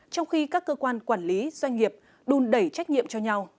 trong khi các cơ quan quản lý doanh nghiệp đun đẩy trách nhiệm cho nhau